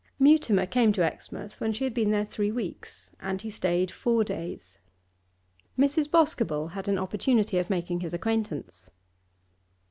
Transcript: Mutimer came to Exmouth when she had been there three weeks, and he stayed four days. Mrs. Boscobel had an opportunity of making his acquaintance.